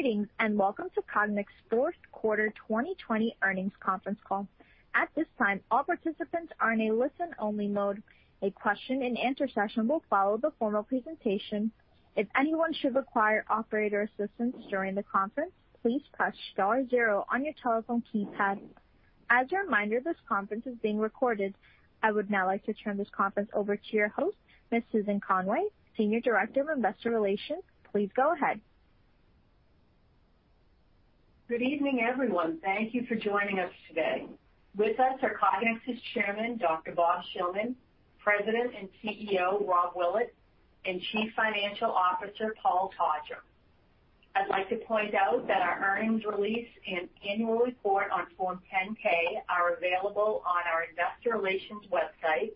Greetings, welcome to Cognex Fourth Quarter 2020 Earnings Conference Call. At this time, all participants are in a listen-only mode. A question and answer session will follow the formal presentation. If anyone should require operator assistance during the conference, please press star zero on your telephone keypad. As a reminder, this conference is being recorded. I would now like to turn this conference over to your host, Ms. Susan Conway, Senior Director of Investor Relations. Please go ahead. Good evening, everyone. Thank you for joining us today. With us are Cognex's Chairman, Dr. Bob Shillman, President and CEO, Rob Willett, and Chief Financial Officer, Paul Todgham. I'd like to point out that our earnings release and annual report on Form 10-K are available on our investor relations website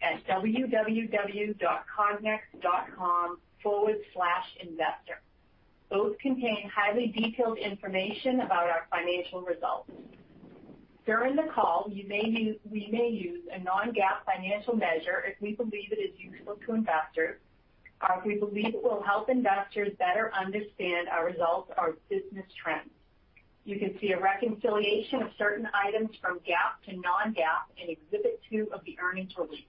at www.cognex.com/investor. Both contain highly detailed information about our financial results. During the call, we may use a non-GAAP financial measure if we believe it is useful to investors, or if we believe it will help investors better understand our results or business trends. You can see a reconciliation of certain items from GAAP to non-GAAP in Exhibit two of the earnings release.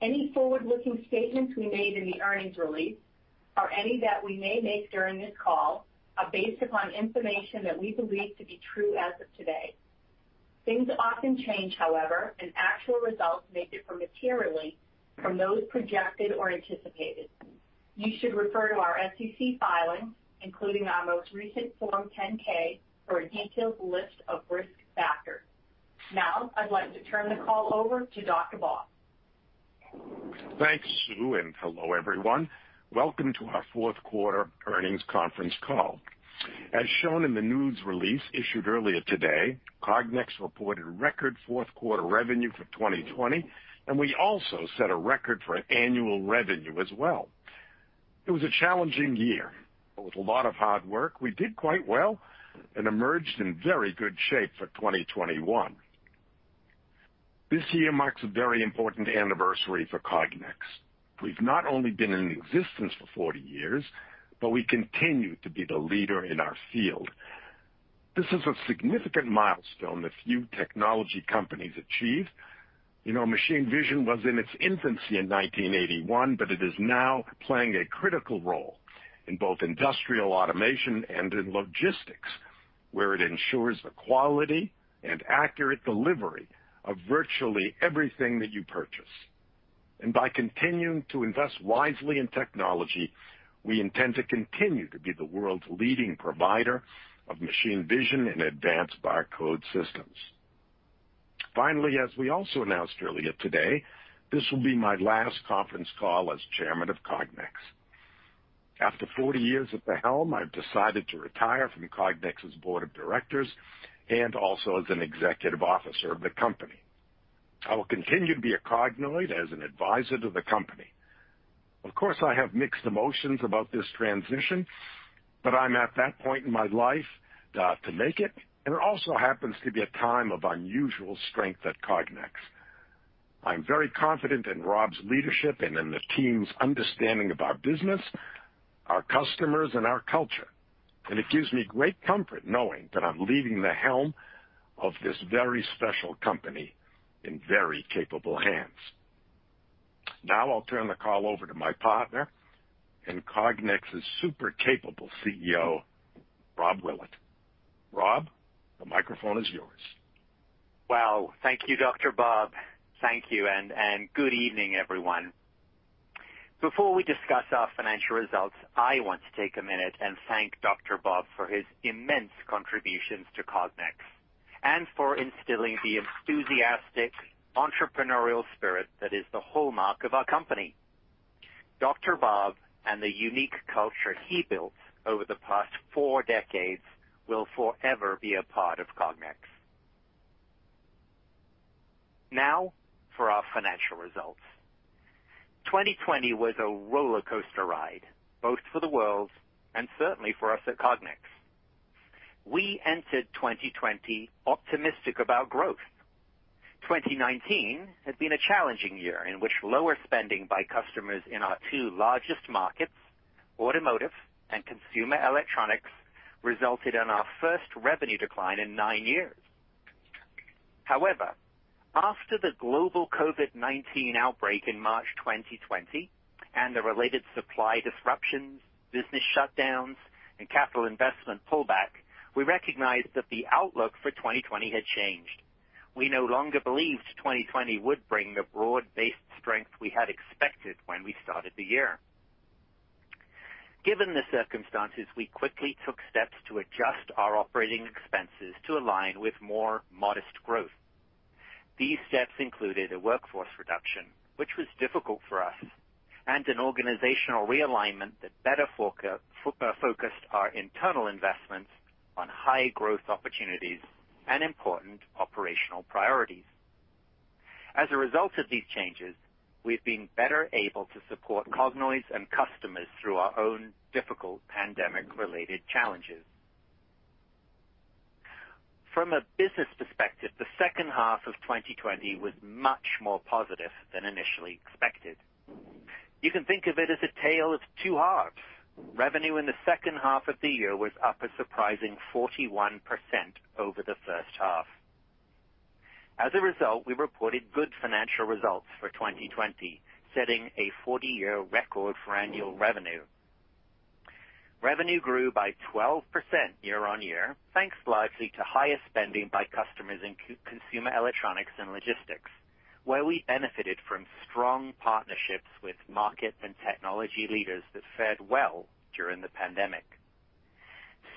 Any forward-looking statements we made in the earnings release or any that we may make during this call are based upon information that we believe to be true as of today. Things often change, however, and actual results may differ materially from those projected or anticipated. You should refer to our SEC filings, including our most recent Form 10-K, for a detailed list of risk factors. Now, I'd like to turn the call over to Dr. Bob. Thanks, Susan. Hello, everyone. Welcome to our fourth quarter earnings conference call. As shown in the news release issued earlier today, Cognex reported record fourth quarter revenue for 2020, and we also set a record for annual revenue as well. It was a challenging year, but with a lot of hard work, we did quite well and emerged in very good shape for 2021. This year marks a very important anniversary for Cognex. We've not only been in existence for 40 years, but we continue to be the leader in our field. This is a significant milestone that few technology companies achieve. Machine vision was in its infancy in 1981, but it is now playing a critical role in both industrial automation and in logistics, where it ensures the quality and accurate delivery of virtually everything that you purchase. By continuing to invest wisely in technology, we intend to continue to be the world's leading provider of machine vision and advanced barcode systems. Finally, as we also announced earlier today, this will be my last conference call as Chairman of Cognex. After 40 years at the helm, I've decided to retire from Cognex's board of directors and also as an executive officer of the company. I will continue to be a Cognoid as an advisor to the company. Of course, I have mixed emotions about this transition, but I'm at that point in my life to make it, and it also happens to be a time of unusual strength at Cognex. I'm very confident in Rob's leadership and in the team's understanding of our business, our customers, and our culture. It gives me great comfort knowing that I'm leaving the helm of this very special company in very capable hands. Now I'll turn the call over to my partner and Cognex's super capable CEO, Rob Willett. Rob, the microphone is yours. Well, thank you, Dr. Bob. Thank you, and good evening, everyone. Before we discuss our financial results, I want to take a minute and thank Dr. Bob for his immense contributions to Cognex and for instilling the enthusiastic entrepreneurial spirit that is the hallmark of our company. Dr. Bob and the unique culture he built over the past four decades will forever be a part of Cognex. Now for our financial results. 2020 was a roller coaster ride, both for the world and certainly for us at Cognex. We entered 2020 optimistic about growth. 2019 had been a challenging year in which lower spending by customers in our two largest markets, automotive and consumer electronics, resulted in our first revenue decline in nine years. However, after the global COVID-19 outbreak in March 2020 and the related supply disruptions, business shutdowns, and capital investment pullback, we recognized that the outlook for 2020 had changed. We no longer believed 2020 would bring the broad-based strength we had expected when we started the year. Given the circumstances, we quickly took steps to adjust our operating expenses to align with more modest growth. These steps included a workforce reduction, which was difficult for us, and an organizational realignment that better focused our internal investments on high growth opportunities and important operational priorities. As a result of these changes, we've been better able to support Cognoids and customers through our own difficult pandemic-related challenges. From a business perspective, the second half of 2020 was much more positive than initially expected. You can think of it as a tale of two halves. Revenue in the second half of the year was up a surprising 41% over the first half. As a result, we reported good financial results for 2020, setting a 40-year record for annual revenue. Revenue grew by 12% year-on-year, thanks largely to higher spending by customers in consumer electronics and logistics, where we benefited from strong partnerships with market and technology leaders that fared well during the pandemic.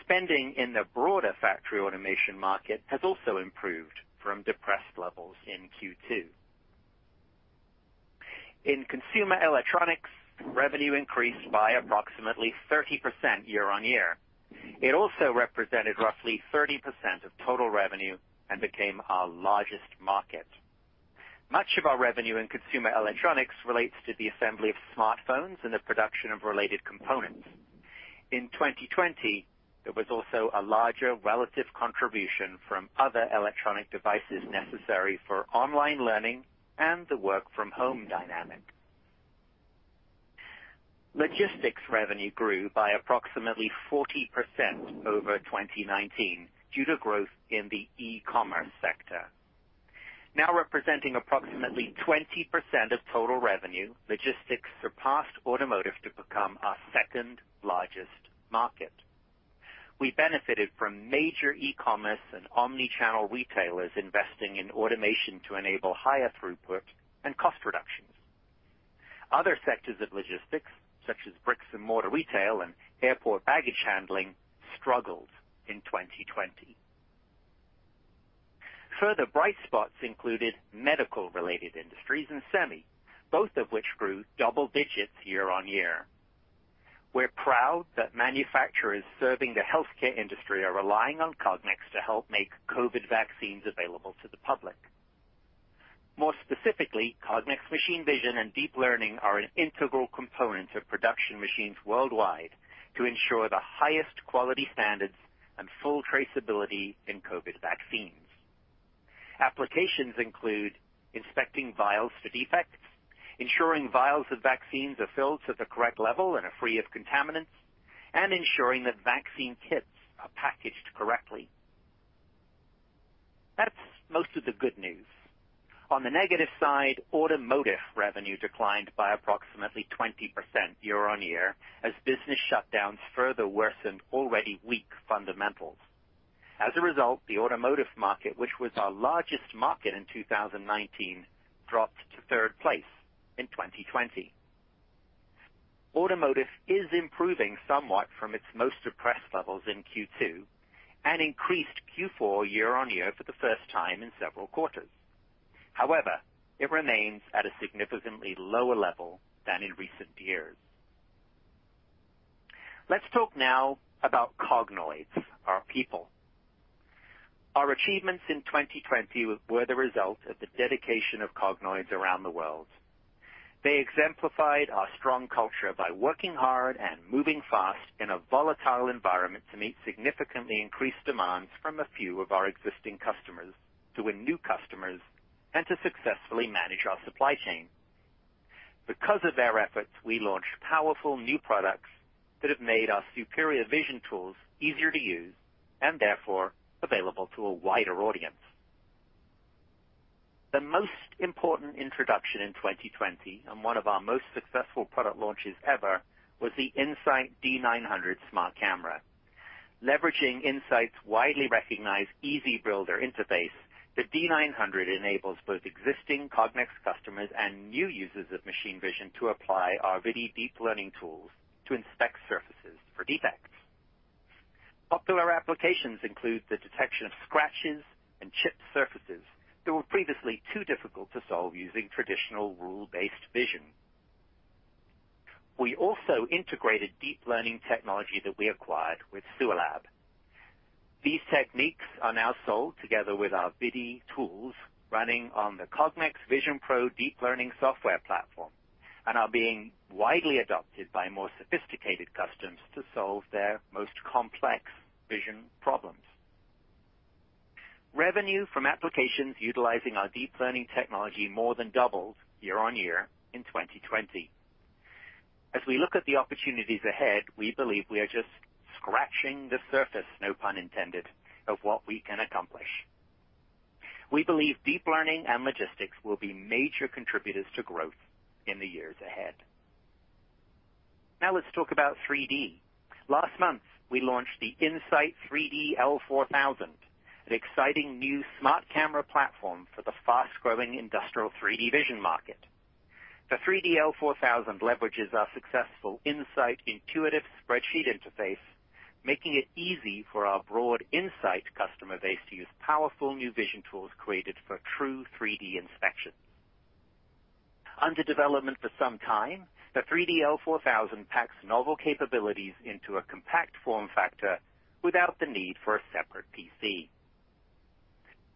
Spending in the broader factory automation market has also improved from depressed levels in Q2. In consumer electronics, revenue increased by approximately 30% year-on-year. It also represented roughly 30% of total revenue and became our largest market. Much of our revenue in consumer electronics relates to the assembly of smartphones and the production of related components. In 2020, there was also a larger relative contribution from other electronic devices necessary for online learning and the work-from-home dynamic. Logistics revenue grew by approximately 40% over 2019 due to growth in the e-commerce sector. Now representing approximately 20% of total revenue, logistics surpassed automotive to become our second-largest market. We benefited from major e-commerce and omni-channel retailers investing in automation to enable higher throughput and cost reductions. Other sectors of logistics, such as bricks and mortar retail and airport baggage handling, struggled in 2020. Further bright spots included medical-related industries and semi, both of which grew double digits year-on-year. We're proud that manufacturers serving the healthcare industry are relying on Cognex to help make COVID vaccines available to the public. More specifically, Cognex machine vision and deep learning are an integral component of production machines worldwide to ensure the highest quality standards and full traceability in COVID vaccines. Applications include inspecting vials for defects, ensuring vials of vaccines are filled to the correct level and are free of contaminants, and ensuring that vaccine kits are packaged correctly. That's most of the good news. On the negative side, automotive revenue declined by approximately 20% year-on-year as business shutdowns further worsened already weak fundamentals. As a result, the automotive market, which was our largest market in 2019, dropped to third place in 2020. Automotive is improving somewhat from its most depressed levels in Q2 and increased Q4 year-on-year for the first time in several quarters. However, it remains at a significantly lower level than in recent years. Let's talk now about Cognoids, our people. Our achievements in 2020 were the result of the dedication of Cognoids around the world. They exemplified our strong culture by working hard and moving fast in a volatile environment to meet significantly increased demands from a few of our existing customers, to win new customers, and to successfully manage our supply chain. Because of their efforts, we launched powerful new products that have made our superior vision tools easier to use and therefore available to a wider audience. The most important introduction in 2020, and one of our most successful product launches ever, was the In-Sight D900 smart camera. Leveraging In-Sight's widely recognized EasyBuilder interface, the D900 enables both existing Cognex customers and new users of machine vision to apply our ViDi deep learning tools to inspect surfaces for defects. Popular applications include the detection of scratches and chipped surfaces that were previously too difficult to solve using traditional rule-based vision. We also integrated deep learning technology that we acquired with SUALAB. These techniques are now sold together with our ViDi tools running on the Cognex VisionPro deep learning software platform and are being widely adopted by more sophisticated customers to solve their most complex vision problems. Revenue from applications utilizing our deep learning technology more than doubled year-on-year in 2020. As we look at the opportunities ahead, we believe we are just scratching the surface, no pun intended, of what we can accomplish. We believe deep learning and logistics will be major contributors to growth in the years ahead. Now let's talk about 3D. Last month, we launched the In-Sight 3D-L4000, an exciting new smart camera platform for the fast-growing industrial 3D vision market. The 3D-L4000 leverages our successful In-Sight intuitive Spreadsheet interface, making it easy for our broad In-Sight customer base to use powerful new vision tools created for true 3D inspection. Under development for some time, the 3D-L4000 packs novel capabilities into a compact form factor without the need for a separate PC.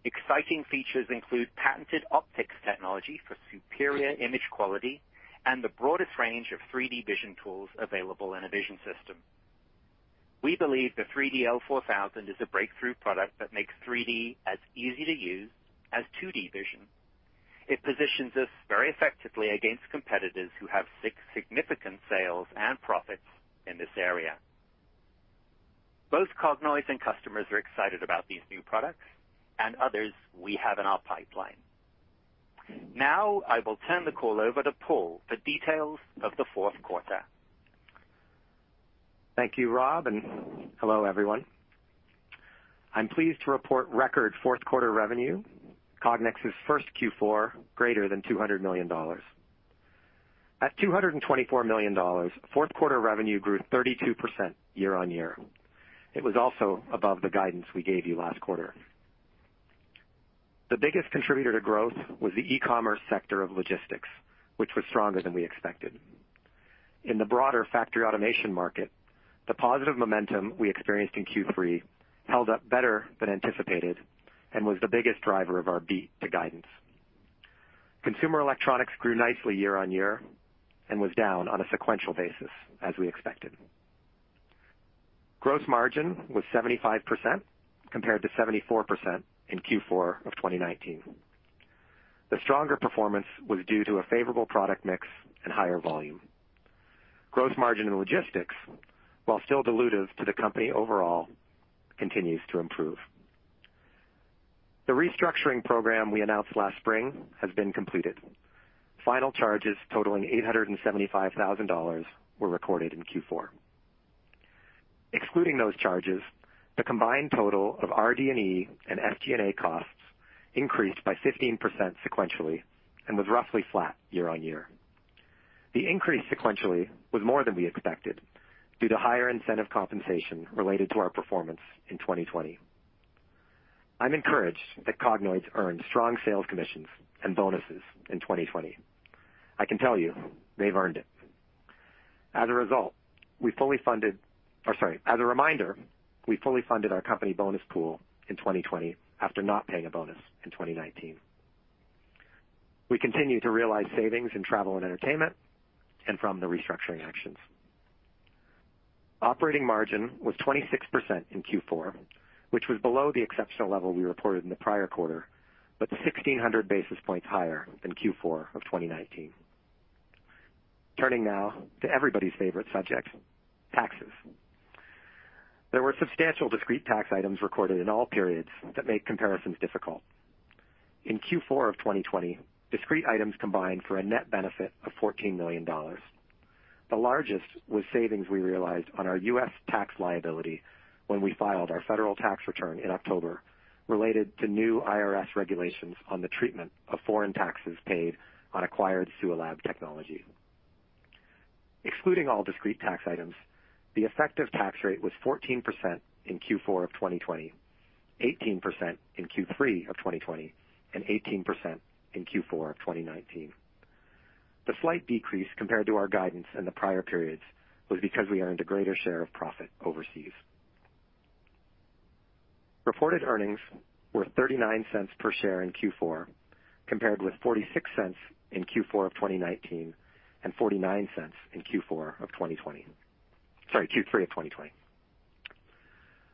Exciting features include patented optics technology for superior image quality and the broadest range of 3D vision tools available in a vision system. We believe the 3D-L4000 is a breakthrough product that makes 3D as easy to use as 2D vision. It positions us very effectively against competitors who have significant sales and profits in this area. Both Cognoids and customers are excited about these new products and others we have in our pipeline. Now, I will turn the call over to Paul for details of the fourth quarter. Thank you, Rob, and hello, everyone. I'm pleased to report record fourth quarter revenue, Cognex's first Q4 greater than $200 million. At $224 million, fourth quarter revenue grew 32% year-over-year. It was also above the guidance we gave you last quarter. The biggest contributor to growth was the e-commerce sector of logistics, which was stronger than we expected. In the broader factory automation market, the positive momentum we experienced in Q3 held up better than anticipated and was the biggest driver of our beat to guidance. Consumer electronics grew nicely year-over-year and was down on a sequential basis, as we expected. Gross margin was 75%, compared to 74% in Q4 of 2019. The stronger performance was due to a favorable product mix and higher volume. Gross margin in logistics, while still dilutive to the company overall, continues to improve. The restructuring program we announced last spring has been completed. Final charges totaling $875,000 were recorded in Q4. Excluding those charges, the combined total of RD&E and SG&A costs increased by 15% sequentially and was roughly flat year on year. The increase sequentially was more than we expected due to higher incentive compensation related to our performance in 2020. I'm encouraged that Cognoids earned strong sales commissions and bonuses in 2020. I can tell you they've earned it. As a reminder, we fully funded our company bonus pool in 2020 after not paying a bonus in 2019. We continue to realize savings in travel and entertainment and from the restructuring actions. Operating margin was 26% in Q4, which was below the exceptional level we reported in the prior quarter, but 1,600 basis points higher than Q4 of 2019. Turning now to everybody's favorite subject, taxes. There were substantial discrete tax items recorded in all periods that made comparisons difficult. In Q4 of 2020, discrete items combined for a net benefit of $14 million. The largest was savings we realized on our U.S. tax liability when we filed our federal tax return in October related to new IRS regulations on the treatment of foreign taxes paid on acquired SUALAB technology. Excluding all discrete tax items, the effective tax rate was 14% in Q4 of 2020, 18% in Q3 of 2020, and 18% in Q4 of 2019. The slight decrease compared to our guidance in the prior periods was because we earned a greater share of profit overseas. Reported earnings were $0.39 per share in Q4, compared with $0.46 in Q4 of 2019 and $0.49 in Q3 of 2020.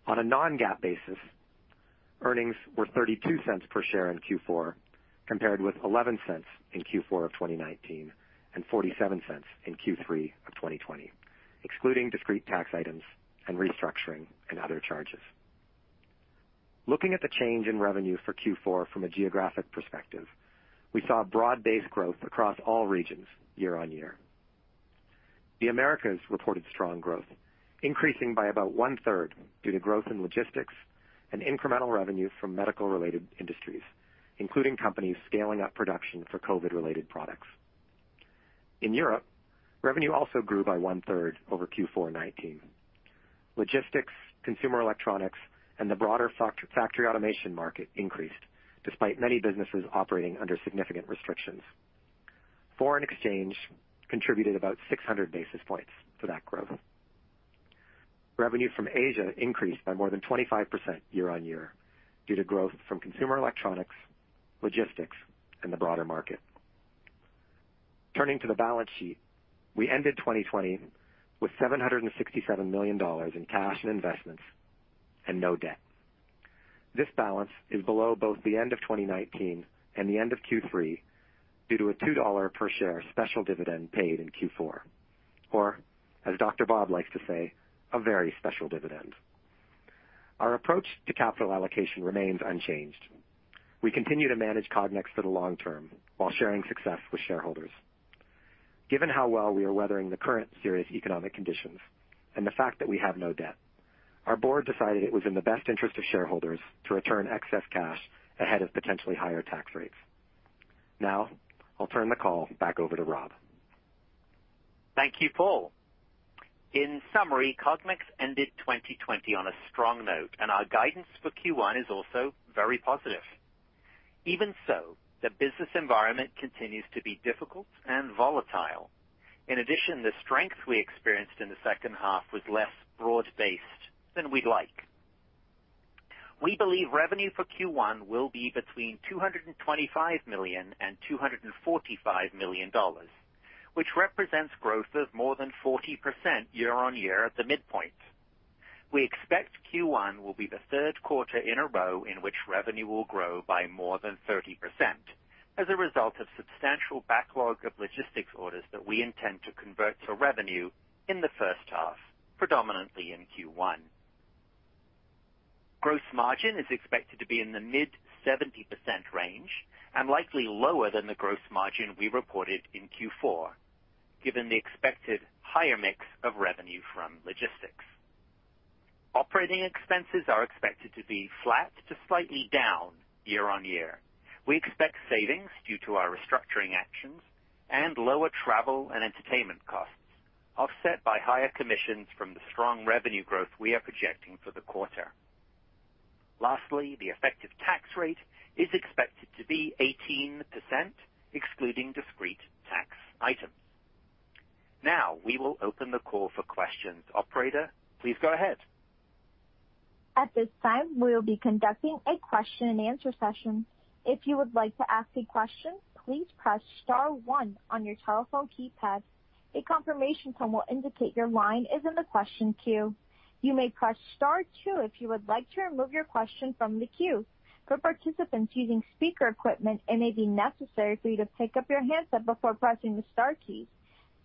On a non-GAAP basis, earnings were $0.32 per share in Q4, compared with $0.11 in Q4 of 2019 and $0.47 in Q3 of 2020, excluding discrete tax items and restructuring and other charges. Looking at the change in revenue for Q4 from a geographic perspective, we saw broad-based growth across all regions year on year. The Americas reported strong growth, increasing by about one-third due to growth in logistics and incremental revenues from medical-related industries, including companies scaling up production for COVID-related products. In Europe, revenue also grew by one-third over Q4 2019. Logistics, consumer electronics, and the broader factory automation market increased, despite many businesses operating under significant restrictions. Foreign exchange contributed about 600 basis points to that growth. Revenue from Asia increased by more than 25% year on year due to growth from consumer electronics, logistics, and the broader market. Turning to the balance sheet, we ended 2020 with $767 million in cash and investments and no debt. This balance is below both the end of 2019 and the end of Q3 due to a $2 per share special dividend paid in Q4, or as Dr. Bob likes to say, a very special dividend. Our approach to capital allocation remains unchanged. We continue to manage Cognex for the long term while sharing success with shareholders. Given how well we are weathering the current serious economic conditions and the fact that we have no debt, our board decided it was in the best interest of shareholders to return excess cash ahead of potentially higher tax rates. I'll turn the call back over to Rob. Thank you, Paul. In summary, Cognex ended 2020 on a strong note, and our guidance for Q1 is also very positive. Even so, the business environment continues to be difficult and volatile. In addition, the strength we experienced in the second half was less broad-based than we'd like. We believe revenue for Q1 will be between $225 million and $245 million, which represents growth of more than 40% year-on-year at the midpoint. We expect Q1 will be the third quarter in a row in which revenue will grow by more than 30% as a result of substantial backlog of logistics orders that we intend to convert to revenue in the first half, predominantly in Q1. Gross margin is expected to be in the mid 70% range and likely lower than the gross margin we reported in Q4, given the expected higher mix of revenue from logistics. Operating expenses are expected to be flat to slightly down year-over-year. We expect savings due to our restructuring actions and lower travel and entertainment costs, offset by higher commissions from the strong revenue growth we are projecting for the quarter. Lastly, the effective tax rate is expected to be 18%, excluding discrete tax items. Now, we will open the call for questions. Operator, please go ahead. At this time, we'll be conducting a question and answer session. If you would like to ask a questions, please press star one on your telephone keypad, a confirmation tone will indicate your line is in the question queue. You may press star two if you would like to remove your question from the queue, for participants using speaker equipment it may be necessary to pick up your handset before pressing the star key.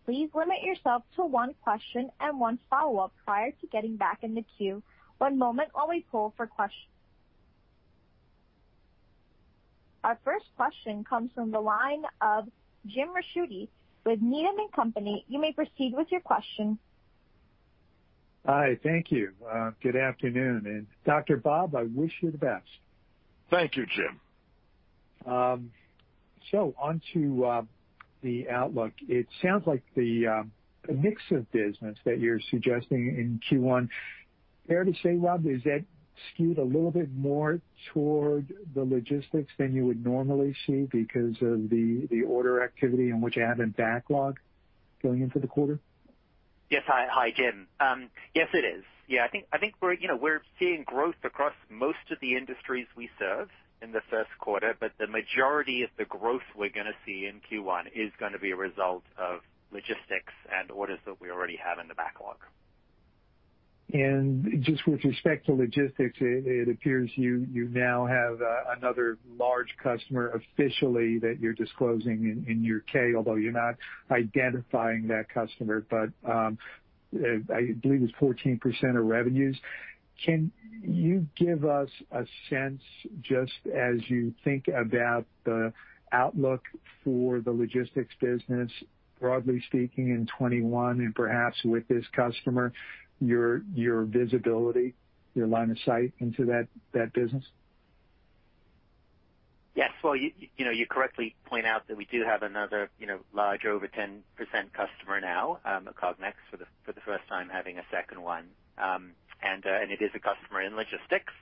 Please limit yourself to one question and one follow-up prior to getting back in the queue. One moment as we poll for questions. Our first question comes from the line of Jim Ricchiuti with Needham & Company. You may proceed with your question. Hi, thank you. Good afternoon. Dr. Bob, I wish you the best. Thank you, Jim. On to the outlook. It sounds like the mix of business that you're suggesting in Q1, fair to say, Rob, is that skewed a little bit more toward the logistics than you would normally see because of the order activity and what you have in backlog going into the quarter? Yes. Hi, Jim. Yes, it is. Yeah, I think we're seeing growth across most of the industries we serve in the first quarter, but the majority of the growth we're going to see in Q1 is going to be a result of logistics and orders that we already have in the backlog. Just with respect to logistics, it appears you now have another large customer officially that you're disclosing in your K, although you're not identifying that customer. I believe it's 14% of revenues. Can you give us a sense, just as you think about the outlook for the logistics business, broadly speaking, in 2021, and perhaps with this customer, your visibility, your line of sight into that business? Yes. Well, you correctly point out that we do have another large over 10% customer now, Cognex for the first time having a second one. It is a customer in logistics.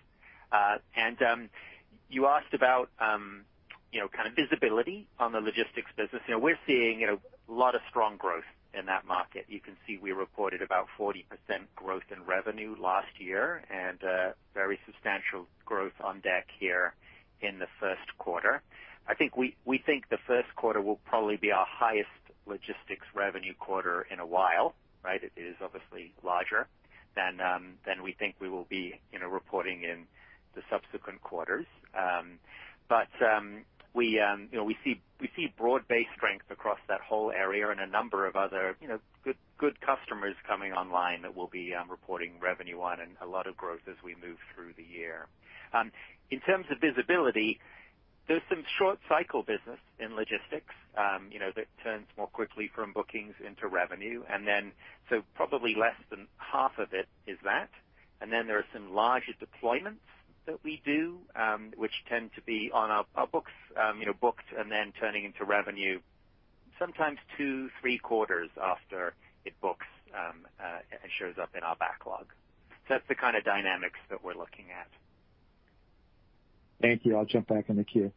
You asked about kind of visibility on the logistics business. We're seeing a lot of strong growth in that market. You can see we reported about 40% growth in revenue last year and very substantial growth on deck here in the first quarter. We think the first quarter will probably be our highest logistics revenue quarter in a while, right? It is obviously larger than we think we will be reporting in the subsequent quarters. We see broad-based strength across that whole area and a number of other good customers coming online that we'll be reporting revenue on and a lot of growth as we move through the year. In terms of visibility, there's some short cycle business in logistics that turns more quickly from bookings into revenue. Probably less than half of it is that. There are some larger deployments that we do, which tend to be on our books, booked and then turning into revenue, sometimes two, three quarters after it books, and shows up in our backlog. That's the kind of dynamics that we're looking at. Thank you. I'll jump back in the queue.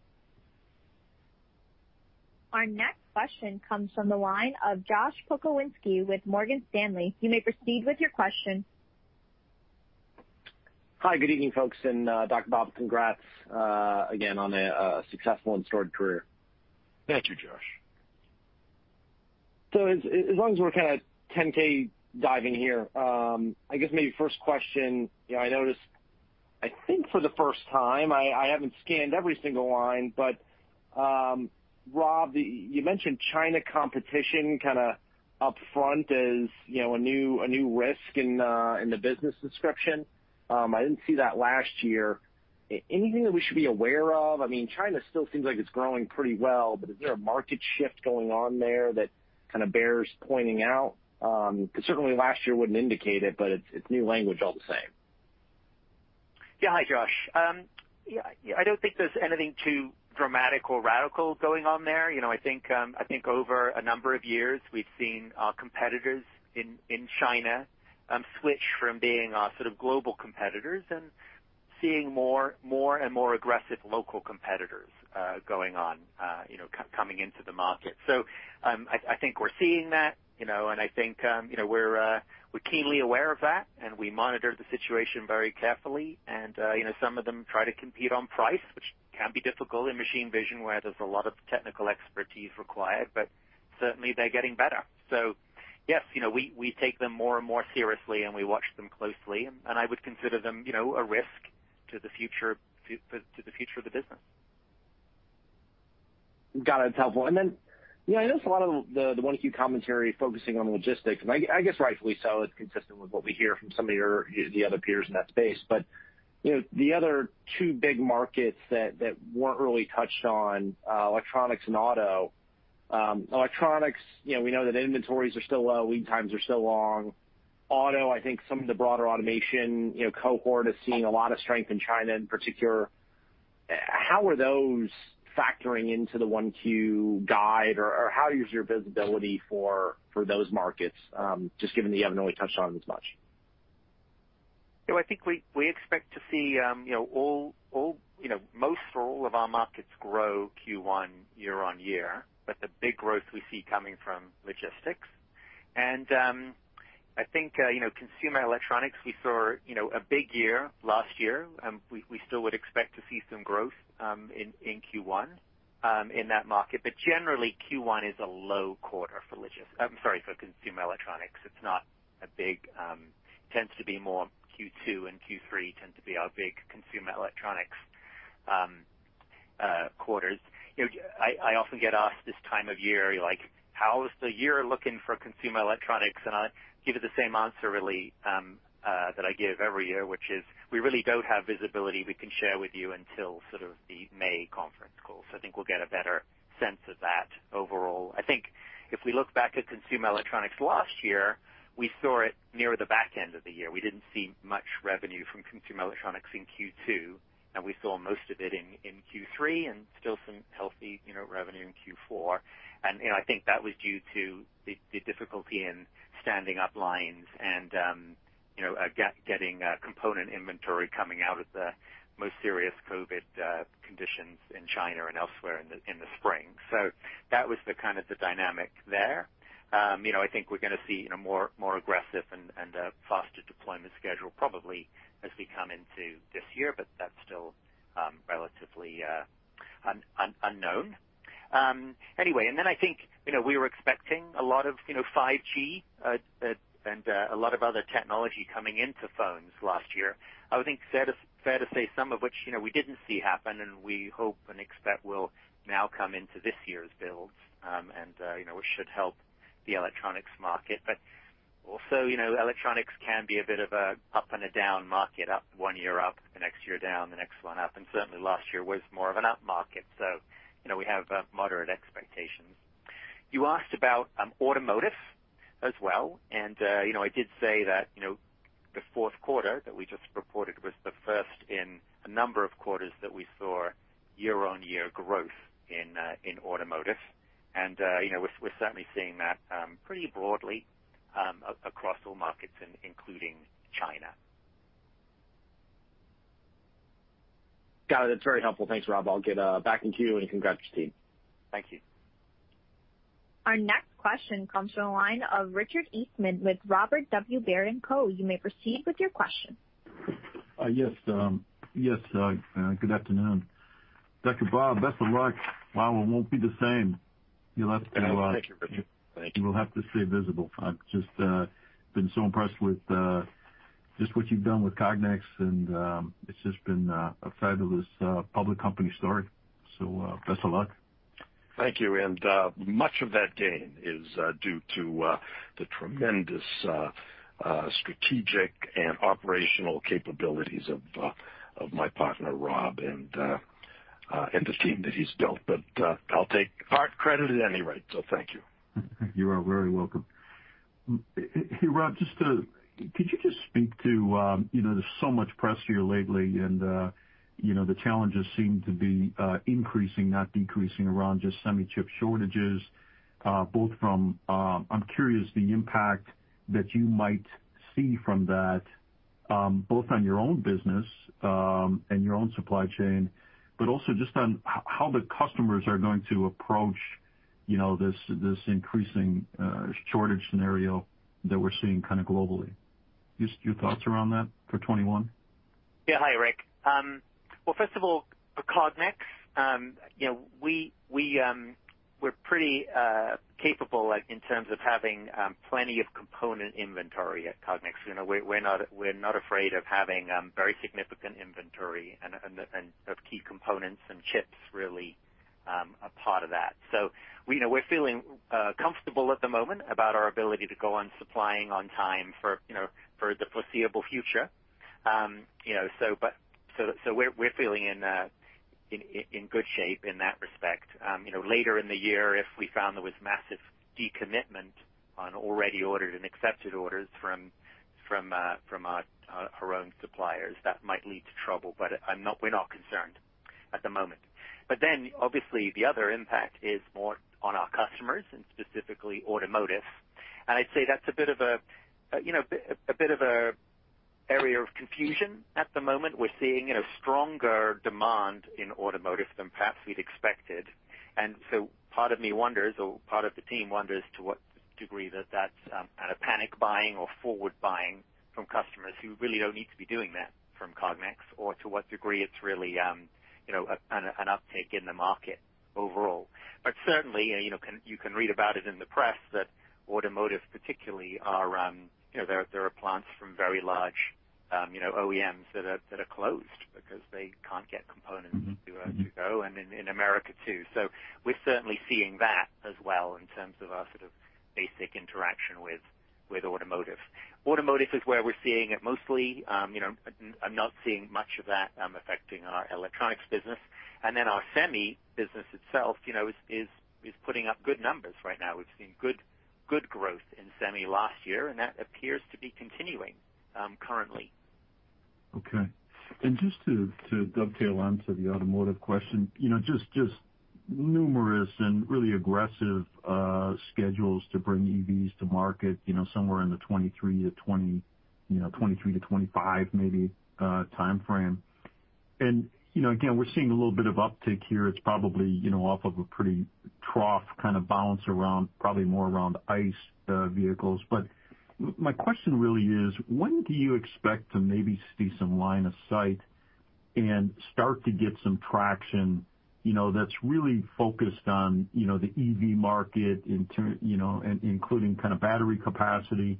Our next question comes from the line of Josh Pokrzywinski with Morgan Stanley. Hi, good evening, folks. Dr. Bob, congrats again on a successful and solid career. Thank you, Josh. As long as we're kind of 10-K diving here, I guess maybe first question, I noticed, I think for the first time, I haven't scanned every single line, but, Rob, you mentioned China competition kind of upfront as a new risk in the business description. I didn't see that last year. Anything that we should be aware of? I mean, China still seems like it's growing pretty well, but is there a market shift going on there that kind of bears pointing out? Certainly last year wouldn't indicate it, but it's new language all the same. Yeah. Hi, Josh. I don't think there's anything too dramatic or radical going on there. I think over a number of years, we've seen competitors in China switch from being sort of global competitors and seeing more and more aggressive local competitors going on, coming into the market. I think we're seeing that, and I think we're keenly aware of that, and we monitor the situation very carefully. Some of them try to compete on price, which can be difficult in machine vision, where there's a lot of technical expertise required, but certainly, they're getting better. Yes, we take them more and more seriously, and we watch them closely, and I would consider them a risk to the future of the business. Got it. That's helpful. I notice a lot of the 1Q commentary focusing on logistics, I guess rightfully so. It's consistent with what we hear from some of your other peers in that space. The other two big markets that weren't really touched on, electronics and auto. Electronics, we know that inventories are still low, lead times are still long. Auto, I think some of the broader automation cohort is seeing a lot of strength in China in particular. How are those factoring into the 1Q guide or how is your visibility for those markets, just given that you haven't really touched on them as much? I think we expect to see most or all of our markets grow Q1 year-on-year. The big growth we see coming from logistics. I think consumer electronics, we saw a big year last year. We still would expect to see some growth in Q1 in that market. Generally, Q1 is a low quarter for consumer electronics. Tends to be more Q2 and Q3 tend to be our big consumer electronics quarters. I often get asked this time of year, like, "How's the year looking for consumer electronics?" I give it the same answer, really, that I give every year, which is we really don't have visibility we can share with you until sort of the May conference call. I think we'll get a better sense of that overall. I think if we look back at consumer electronics last year, we saw it near the back end of the year. We didn't see much revenue from consumer electronics in Q2. We saw most of it in Q3, still some healthy revenue in Q4. I think that was due to the difficulty in standing up lines and getting component inventory coming out of the most serious COVID-19 conditions in China and elsewhere in the spring. That was kind of the dynamic there. I think we're going to see a more aggressive and a faster deployment schedule probably as we come into this year, but that's still relatively unknown. I think we were expecting a lot of 5G and a lot of other technology coming into phones last year. I would think fair to say some of which we didn't see happen, and we hope and expect will now come into this year's builds, and which should help the electronics market. Also, electronics can be a bit of a up and a down market. Up one year up, the next year down, the next one up. Certainly, last year was more of an up market. We have moderate expectations. You asked about automotive as well, and I did say that the fourth quarter that we just reported was the first in a number of quarters that we saw year-on-year growth in automotive. We're certainly seeing that pretty broadly across all markets including China. Got it. That's very helpful. Thanks, Rob. I'll get back in queue, and congrats your team. Thank you. Our next question comes from the line of Richard Eastman with Robert W. Baird & Co. You may proceed with your question. Yes. Good afternoon. Dr. Bob, best of luck. Wow, it won't be the same. Thank you, Richard. Thank you. You will have to stay visible. I've just been so impressed with just what you've done with Cognex, and it's just been a fabulous public company story. Best of luck. Thank you. Much of that gain is due to the tremendous strategic and operational capabilities of my partner, Rob, and the team that he's built. I'll take part credit at any rate. Thank you. You are very welcome. Rob, could you just speak to, there's so much press here lately, and the challenges seem to be increasing, not decreasing, around just semi chip shortages. I'm curious the impact that you might see from that, both on your own business, and your own supply chain, but also just on how the customers are going to approach this increasing shortage scenario that we're seeing kind of globally. Just your thoughts around that for 2021. Hi, Rich. First of all, for Cognex, we're pretty capable in terms of having plenty of component inventory at Cognex. We're not afraid of having very significant inventory and of key components and chips really a part of that. We're feeling comfortable at the moment about our ability to go on supplying on time for the foreseeable future. We're feeling in good shape in that respect. Later in the year, if we found there was massive decommitment on already ordered and accepted orders from our own suppliers, that might lead to trouble, we're not concerned at the moment. Obviously, the other impact is more on our customers, and specifically automotive. I'd say that's a bit of a area of confusion at the moment. We're seeing stronger demand in automotive than perhaps we'd expected. Part of me wonders, or part of the team wonders, to what degree that's panic buying or forward buying from customers who really don't need to be doing that from Cognex, or to what degree it's really an uptake in the market overall. Certainly, you can read about it in the press that automotive particularly, there are plants from very large OEMs that are closed because they can't get components to go, and in the U.S., too. We're certainly seeing that as well in terms of our sort of basic interaction with automotive. Automotive is where we're seeing it mostly. I'm not seeing much of that affecting our electronics business. Our semi business itself, is putting up good numbers right now. We've seen good growth in semi last year, and that appears to be continuing currently. Okay. Just to dovetail onto the automotive question, just numerous and really aggressive schedules to bring EVs to market, somewhere in the 2023-2025 maybe, timeframe. Again, we're seeing a little bit of uptick here. It's probably off of a pretty trough kind of bounce around, probably more around ICE vehicles. My question really is, when do you expect to maybe see some line of sight and start to get some traction, that's really focused on the EV market including battery capacity?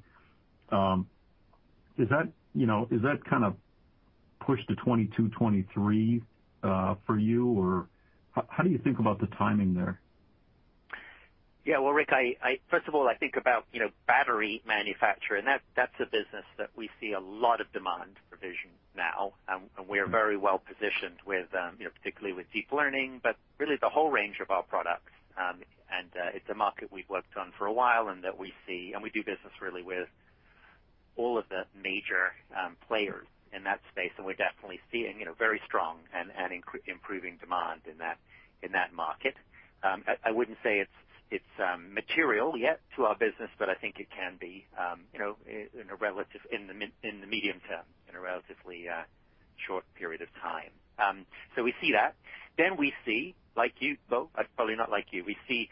Is that kind of pushed to 2022, 2023 for you, or how do you think about the timing there? Yeah. Well, Rich, first of all, I think about battery manufacture. That's a business that we see a lot of demand for vision now. We're very well positioned, particularly with deep learning, but really the whole range of our products. It's a market we've worked on for a while, and that we see, and we do business really with all of the major players in that space, and we're definitely seeing very strong and improving demand in that market. I wouldn't say it's material yet to our business. I think it can be in the medium term, in a relatively short period of time. We see that. We see, like you, well, probably not like you. We see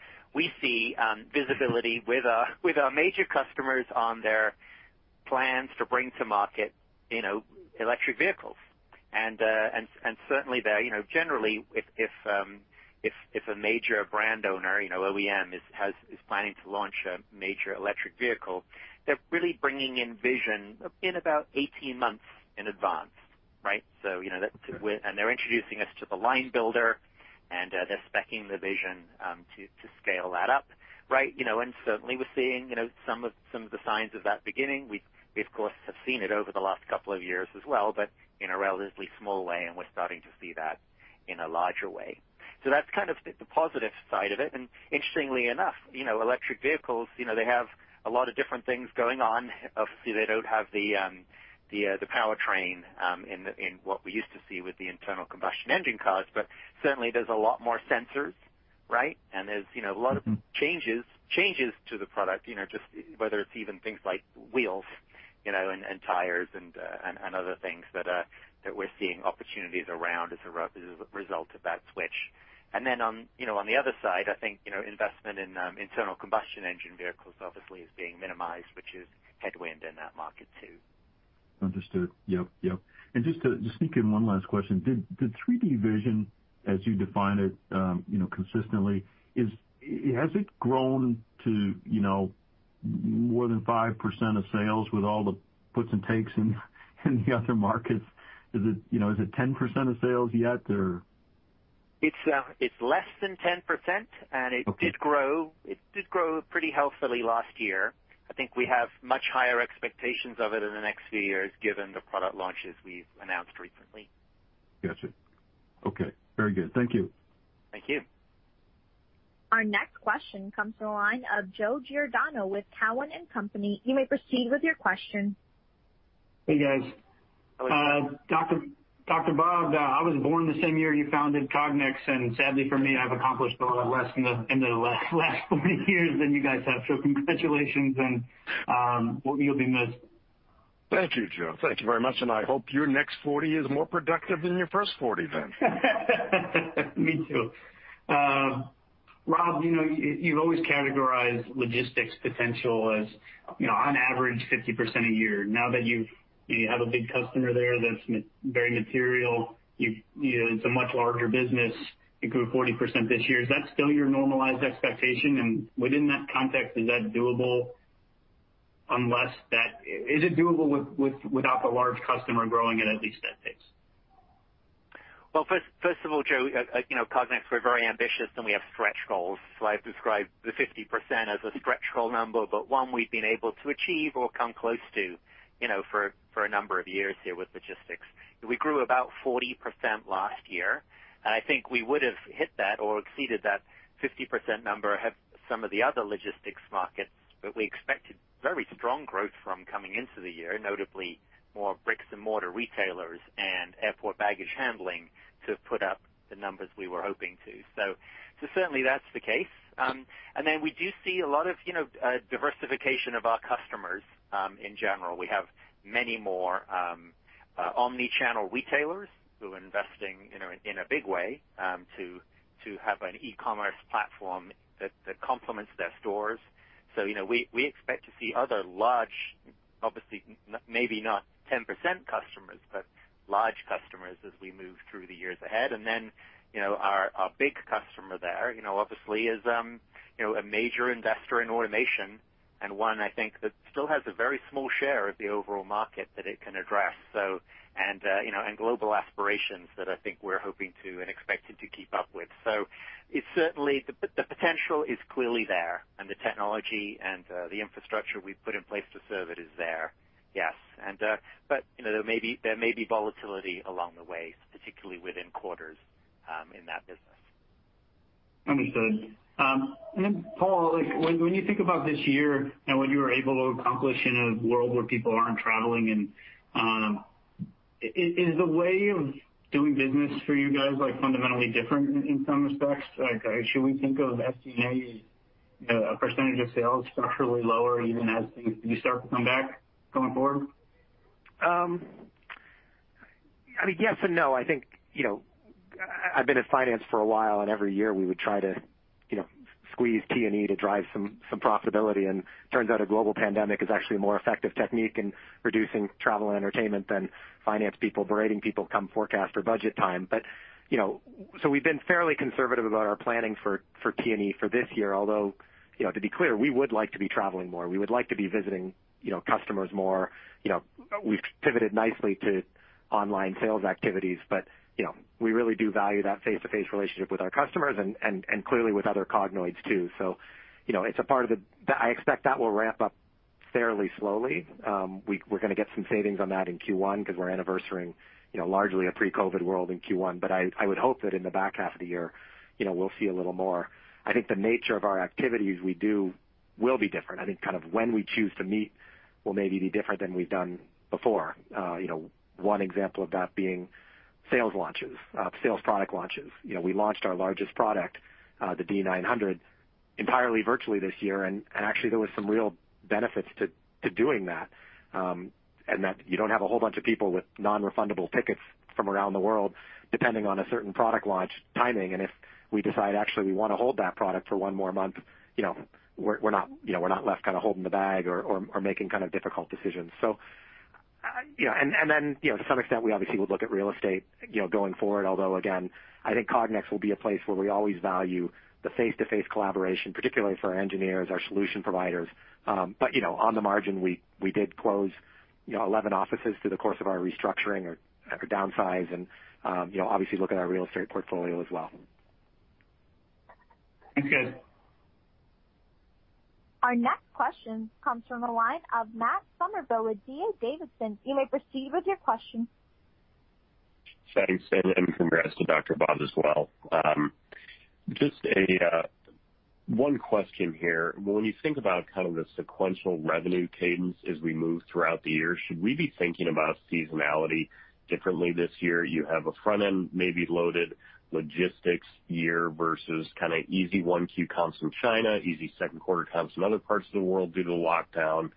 visibility with our major customers on their plans to bring to market electric vehicles. Certainly, generally, if a major brand owner, OEM, is planning to launch a major electric vehicle, they're really bringing in vision in about 18 months in advance. Right? Sure. They're introducing us to the line builder, and they're speccing the vision, to scale that up. Certainly, we're seeing some of the signs of that beginning. We, of course, have seen it over the last couple of years as well, but in a relatively small way, and we're starting to see that in a larger way. That's kind of the positive side of it. Interestingly enough, electric vehicles, they have a lot of different things going on. Obviously, they don't have the powertrain, in what we used to see with the internal combustion engine cars, but certainly, there's a lot more sensors. Right? There's a lot of changes to the product, just whether it's even things like wheels, and tires and other things that we're seeing opportunities around as a result of that switch. On the other side, I think, investment in internal combustion engine vehicles obviously is being minimized, which is headwind in that market, too. Understood. Yep. Just to sneak in one last question. Did 3D vision, as you define it, consistently, has it grown to more than 5% of sales with all the puts and takes in the other markets? Is it 10% of sales yet? It's less than 10%, and it did grow. Okay. It did grow pretty healthily last year. I think we have much higher expectations of it in the next few years, given the product launches we've announced recently. Got you. Okay. Very good. Thank you. Thank you. Our next question comes from the line of Joe Giordano with Cowen and Company. You may proceed with your question. Hey, guys. Hello. Dr. Bob, I was born the same year you founded Cognex, and sadly for me, I've accomplished a lot less in the last 40 years than you guys have, so congratulations, and you'll be missed. Thank you, Joe. Thank you very much. I hope your next 40 is more productive than your first 40, then. Me too. Rob, you've always categorized logistics potential as on average 50% a year. Now that you have a big customer there that's very material, it's a much larger business. It grew 40% this year. Is that still your normalized expectation? Within that context, is that doable without the large customer growing it at least that pace? Well, first of all, Joe, at Cognex, we're very ambitious, and we have stretch goals. I've described the 50% as a stretch goal number, but one we've been able to achieve or come close to for a number of years here with logistics. We grew about 40% last year, and I think we would have hit that or exceeded that 50% number had some of the other logistics markets that we expected very strong growth from coming into the year, notably more bricks and mortar retailers and airport baggage handling, to have put up the numbers we were hoping to. Certainly, that's the case. We do see a lot of diversification of our customers in general. We have many more omni-channel retailers who are investing in a big way, to have an e-commerce platform that complements their stores. We expect to see other large, obviously, maybe not 10% customers, but large customers as we move through the years ahead. Our big customer there, obviously, is a major investor in automation and one, I think, that still has a very small share of the overall market that it can address, and global aspirations that I think we're hoping to and expecting to keep up with. The potential is clearly there, and the technology and the infrastructure we've put in place to serve it is there, yes. There may be volatility along the way, particularly within quarters, in that business. Understood. Paul, when you think about this year and what you were able to accomplish in a world where people aren't traveling, is the way of doing business for you guys fundamentally different in some respects? Should we think of SG&A as a % of sales structurally lower even as things do start to come back going forward? Yes and no. I've been in finance for a while. Every year we would try to squeeze T&E to drive some profitability. Turns out a global pandemic is actually a more effective technique in reducing travel and entertainment than finance people berating people come forecast for budget time. We've been fairly conservative about our planning for T&E for this year, although, to be clear, we would like to be traveling more. We would like to be visiting customers more. We've pivoted nicely to online sales activities. We really do value that face-to-face relationship with our customers and clearly with other Cognoids too. I expect that will ramp up fairly slowly. We're going to get some savings on that in Q1 because we're anniversarying largely a pre-COVID world in Q1. I would hope that in the back half of the year, we'll see a little more. I think the nature of our activities we do will be different. I think kind of when we choose to meet will maybe be different than we've done before. One example of that being sales product launches. We launched our largest product, the D900, entirely virtually this year, and actually, there was some real benefits to doing that, in that you don't have a whole bunch of people with non-refundable tickets from around the world depending on a certain product launch timing, and if we decide, actually, we want to hold that product for one more month, we're not left kind of holding the bag or making kind of difficult decisions. Then, to some extent, we obviously would look at real estate going forward, although again, I think Cognex will be a place where we always value the face-to-face collaboration, particularly for our engineers, our solution providers. On the margin, we did close 11 offices through the course of our restructuring or downsize and obviously look at our real estate portfolio as well. Understood. Our next question comes from the line of Matt Summerville with D.A. Davidson. You may proceed with your question. Thanks. Congrats to Dr. Bob as well. Just one question here. When you think about kind of the sequential revenue cadence as we move throughout the year, should we be thinking about seasonality differently this year? You have a front-end maybe loaded logistics year versus kind of easy 1Q comes from China, easy second quarter comes from other parts of the world due to the lockdown.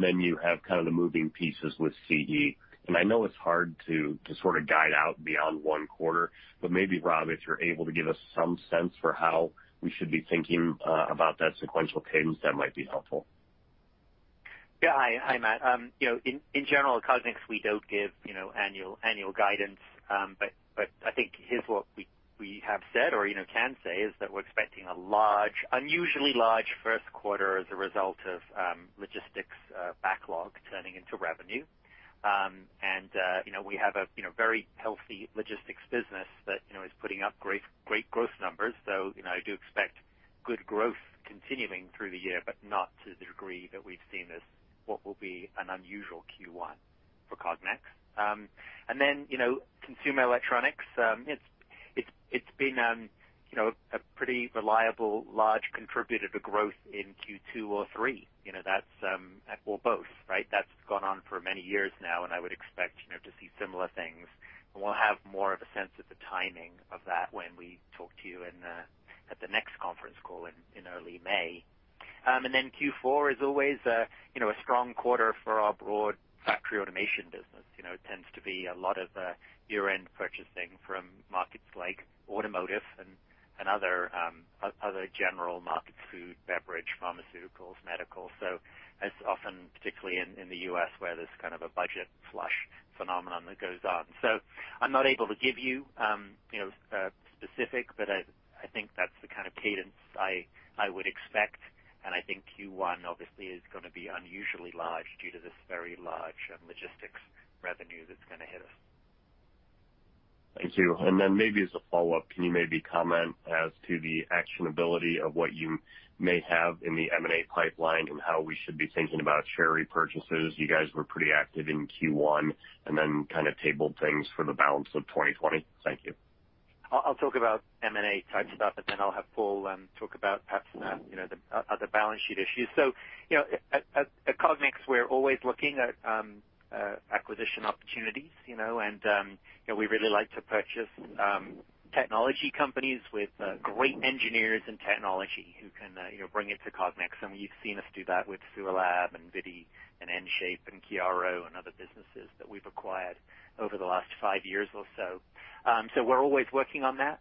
Then you have kind of the moving pieces with CE. I know it's hard to sort of guide out beyond one quarter, but maybe, Rob, if you're able to give us some sense for how we should be thinking about that sequential cadence, that might be helpful. Hi, Matt. In general at Cognex, we don't give annual guidance. I think here's what we have said, or can say, is that we're expecting an unusually large first quarter as a result of logistics backlog turning into revenue. We have a very healthy logistics business that is putting up great growth numbers. I do expect good growth continuing through the year, but not to the degree that we've seen as what will be an unusual Q1 for Cognex. Consumer electronics, it's been a pretty reliable, large contributor to growth in Q2 or Q3. Both, right? That's gone on for many years now, and I would expect to see similar things. We'll have more of a sense of the timing of that when we talk to you at the next conference call in early May. Q4 is always a strong quarter for our broad factory automation business. It tends to be a lot of year-end purchasing from markets like automotive and other general markets, food, beverage, pharmaceuticals, medical. As often, particularly in the U.S., where there's kind of a budget flush phenomenon that goes on. I'm not able to give you specifics, but I think that's the kind of cadence I would expect. I think Q1 obviously is going to be unusually large due to this very large logistics revenue that's going to hit us. Thank you. Maybe as a follow-up, can you maybe comment as to the actionability of what you may have in the M&A pipeline and how we should be thinking about share repurchases? You guys were pretty active in Q1 and then kind of tabled things for the balance of 2020. Thank you. I'll talk about M&A type stuff, and then I'll have Paul talk about perhaps the other balance sheet issues. At Cognex, we're always looking at acquisition opportunities, and we really like to purchase technology companies with great engineers and technology who can bring it to Cognex. You've seen us do that with SUALAB, ViDi, EnShape, and Chiaro and other businesses that we've acquired over the last five years or so. We're always working on that.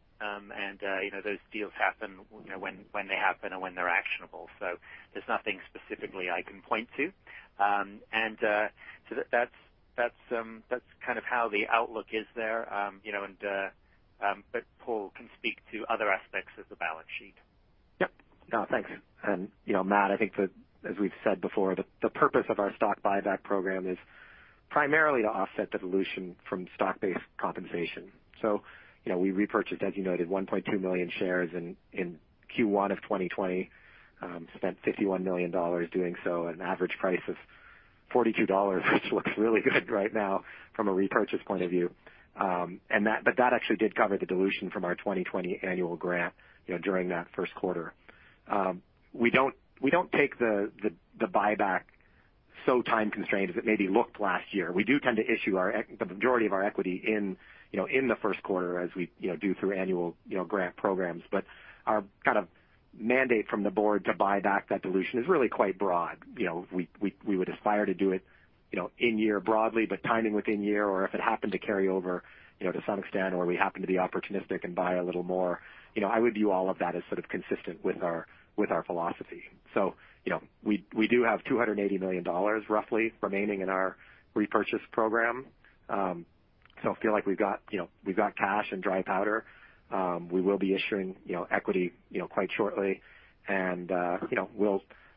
Those deals happen when they happen and when they're actionable. There's nothing specifically I can point to. That's kind of how the outlook is there. Paul can speak to other aspects of the balance sheet. Yep. No, thanks. Matt, I think as we've said before, the purpose of our stock buyback program is primarily to offset the dilution from stock-based compensation. We repurchased, as you noted, 1.2 million shares in Q1 of 2020, spent $51 million doing so at an average price of $42, which looks really good right now from a repurchase point of view. That actually did cover the dilution from our 2020 annual grant during that first quarter. We don't take the buyback so time constrained as it maybe looked last year. We do tend to issue the majority of our equity in the first quarter as we do through annual grant programs. Our mandate from the board to buy back that dilution is really quite broad. We would aspire to do it in year broadly, but timing within year or if it happened to carry over to some extent, or we happen to be opportunistic and buy a little more, I would view all of that as sort of consistent with our philosophy. We do have $280 million roughly remaining in our repurchase program. Feel like we've got cash and dry powder. We will be issuing equity quite shortly.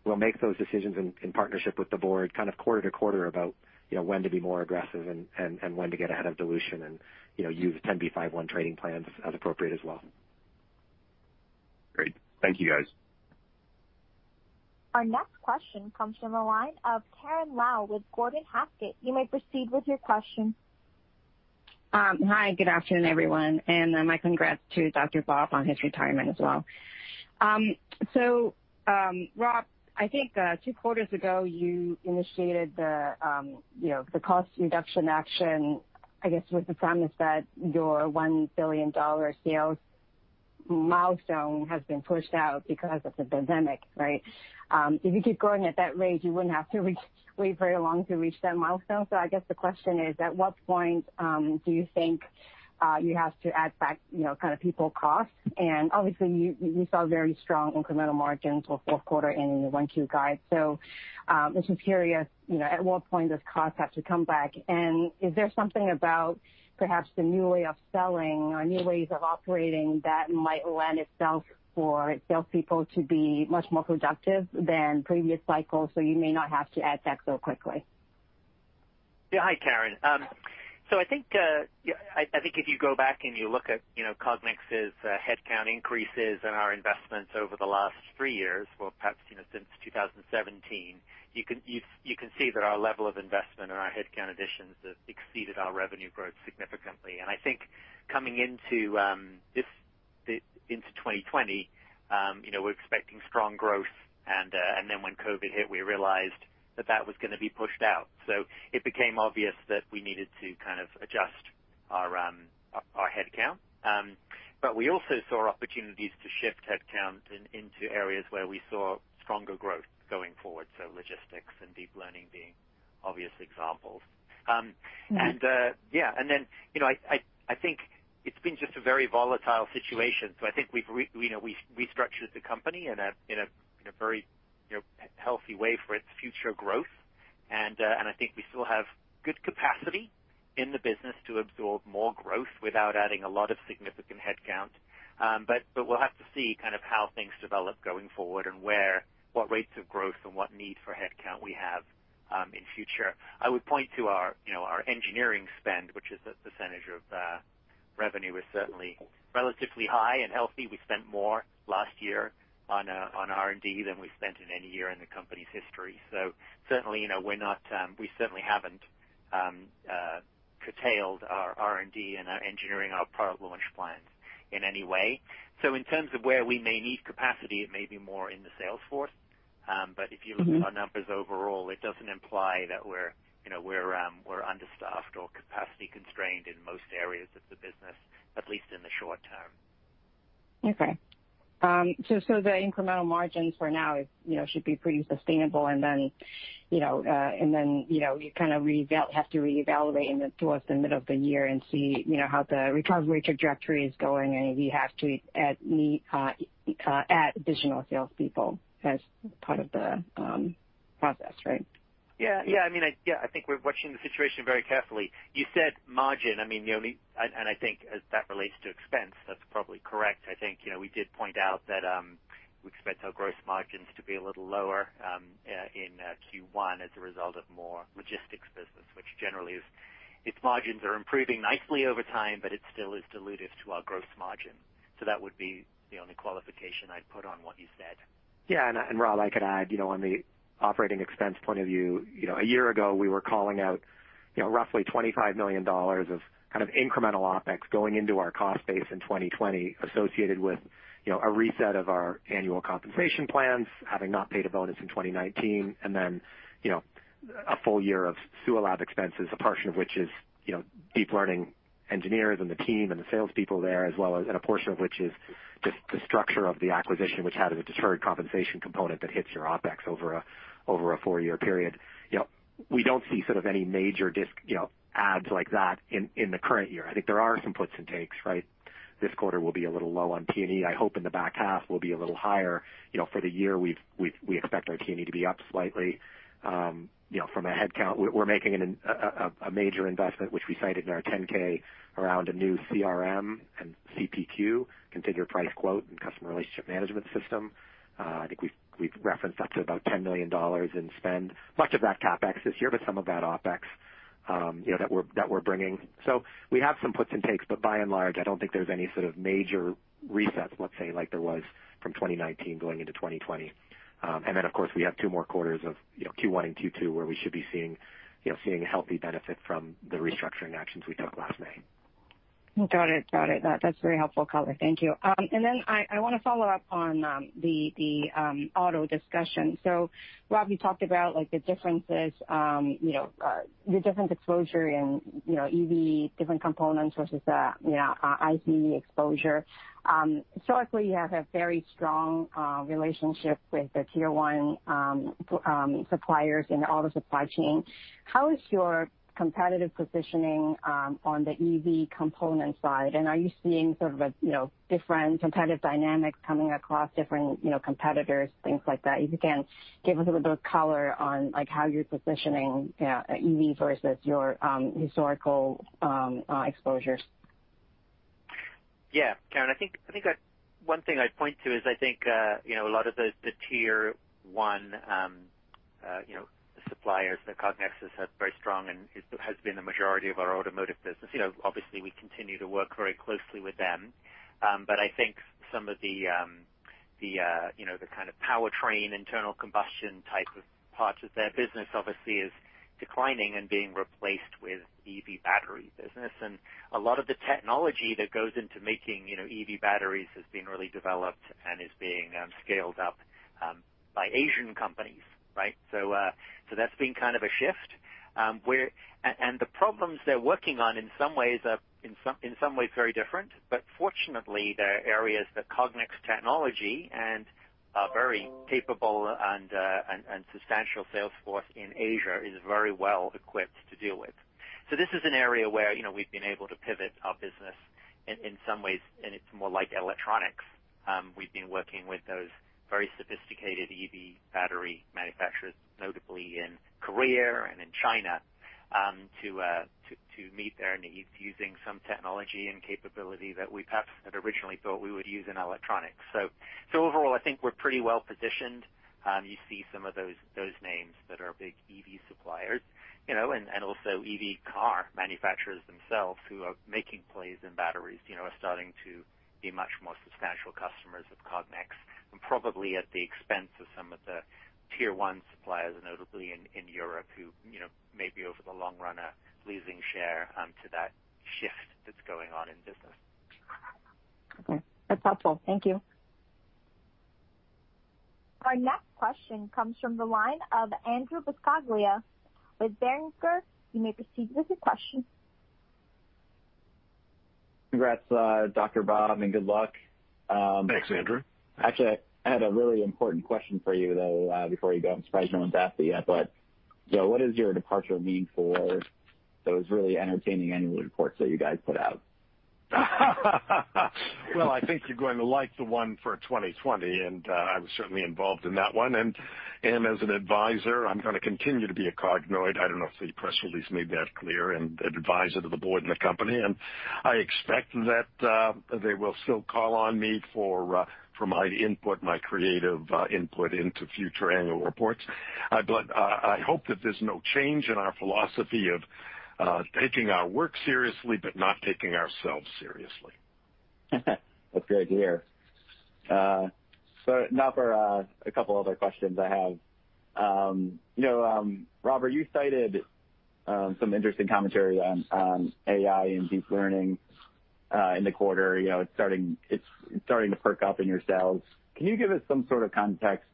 We'll make those decisions in partnership with the Board kind of quarter to quarter about when to be more aggressive and when to get ahead of dilution and use 10b5-1 trading plans as appropriate as well. Great. Thank you, guys. Our next question comes from the line of Karen Lau with Gordon Haskett. You may proceed with your question. Hi, good afternoon, everyone. My congrats to Dr. Bob on his retirement as well. Rob, I think two quarters ago you initiated the cost reduction action, I guess, with the premise that your $1 billion sales milestone has been pushed out because of the pandemic, right? If you keep going at that rate, you wouldn't have to wait very long to reach that milestone. I guess the question is, at what point do you think you have to add back people costs? Obviously, you saw very strong incremental margins for fourth quarter and in your 1Q guide. I'm just curious, at what point does cost have to come back? Is there something about perhaps the new way of selling or new ways of operating that might lend itself for salespeople to be much more productive than previous cycles, so you may not have to add back so quickly? Yeah. Hi, Karen. I think if you go back and you look at Cognex's headcount increases and our investments over the last three years, or perhaps since 2017, you can see that our level of investment and our headcount additions have exceeded our revenue growth significantly. I think coming into 2020, we were expecting strong growth, then when COVID-19 hit, we realized that that was going to be pushed out. It became obvious that we needed to kind of adjust our headcount. We also saw opportunities to shift headcount into areas where we saw stronger growth going forward. Logistics and deep learning being obvious examples. I think it's been just a very volatile situation. I think we've restructured the company in a very healthy way for its future growth. I think we still have good capacity in the business to absorb more growth without adding a lot of significant headcount. We'll have to see kind of how things develop going forward and what rates of growth and what need for headcount we have in future. I would point to our engineering spend, which as a percentage of revenue is certainly relatively high and healthy. We spent more last year on R&D than we've spent in any year in the company's history. Certainly, we certainly haven't curtailed our R&D and our engineering, our product launch plans in any way. In terms of where we may need capacity, it may be more in the sales force. If you look at our numbers overall, it doesn't imply that we're understaffed or capacity constrained in most areas of the business, at least in the short term. Okay. The incremental margins for now should be pretty sustainable, and then you kind of have to reevaluate towards the middle of the year and see how the recovery trajectory is going, and if you have to add additional salespeople as part of the process, right? Yeah. I think we're watching the situation very carefully. You said margin. I think as that relates to expense, that's probably correct. I think we did point out that we expect our gross margins to be a little lower in Q1 as a result of more logistics business, which generally its margins are improving nicely over time, but it still is dilutive to our gross margin. That would be the only qualification I'd put on what you said. Yeah. Rob, I could add, on the operating expense point of view, a year ago, we were calling out roughly $25 million of kind of incremental OpEx going into our cost base in 2020 associated with a reset of our annual compensation plans, having not paid a bonus in 2019, and then a full year of SUALAB expenses, a portion of which is deep learning engineers and the team and the salespeople there, and a portion of which is just the structure of the acquisition, which had a deferred compensation component that hits your OpEx over a four-year period. We don't see sort of any major disc adds like that in the current year. I think there are some puts and takes, right? This quarter will be a little low on T&E. I hope in the back half we'll be a little higher. For the year, we expect our T&E to be up slightly. From a headcount, we're making a major investment, which we cited in our 10-K, around a new CRM and CPQ, Configure, Price, Quote, and Customer Relationship Management system. I think we've referenced that to about $10 million in spend, much of that CapEx this year, but some of that OpEx that we're bringing. We have some puts and takes, but by and large, I don't think there's any sort of major reset, let's say, like there was from 2019 going into 2020. Of course, we have two more quarters of Q1 and Q2, where we should be seeing a healthy benefit from the restructuring actions we took last May. Got it. That's very helpful color. Thank you. Then I want to follow up on the auto discussion. Rob, you talked about the different exposure in EV different components versus ICE exposure. Historically, you have a very strong relationship with the Tier 1 suppliers in the auto supply chain. How is your competitive positioning on the EV component side, and are you seeing sort of a different competitive dynamic coming across different competitors, things like that? If you can give us a little bit of color on how you're positioning EV versus your historical exposures. Yeah. Karen, I think one thing I'd point to is I think a lot of the Tier 1 suppliers that Cognex has have very strong and has been the majority of our automotive business. Obviously, we continue to work very closely with them. I think some of the kind of powertrain, internal combustion type of parts of their business obviously is declining and being replaced with EV battery business. A lot of the technology that goes into making EV batteries has been really developed and is being scaled up by Asian companies, right? That's been kind of a shift. The problems they're working on in some ways are very different. Fortunately, there are areas that Cognex technology and our very capable and substantial sales force in Asia is very well equipped to deal with. This is an area where we've been able to pivot our business in some ways, and it's more like electronics. We've been working with those very sophisticated EV battery manufacturers, notably in Korea and in China, to meet their needs using some technology and capability that we perhaps had originally thought we would use in electronics. Overall, I think we're pretty well positioned. You see some of those names that are big EV suppliers, and also EV car manufacturers themselves who are making plays in batteries, are starting to be much more substantial customers of Cognex, and probably at the expense of some of the Tier 1 suppliers, notably in Europe, who may be over the long run are losing share to that shift that's going on in business. Okay. That's helpful. Thank you. Our next question comes from the line of Andrew Buscaglia with Berenberg. You may proceed with your question. Congrats, Dr. Bob, and good luck. Thanks, Andrew. Actually, I had a really important question for you, though, before you go. I'm surprised no one's asked it yet, what does your departure mean for those really entertaining annual reports that you guys put out? Well, I think you're going to like the one for 2020, and I was certainly involved in that one. As an Advisor, I'm going to continue to be a Cognoid. I don't know if the press release made that clear, and Advisor to the Board and the company. I expect that they will still call on me for my input, my creative input into future annual reports. I hope that there's no change in our philosophy of taking our work seriously but not taking ourselves seriously. That's great to hear. Now for a couple other questions I have. Robert, you cited some interesting commentary on AI and deep learning in the quarter. It's starting to perk up in your sales. Can you give us some sort of context